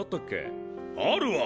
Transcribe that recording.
あるわ！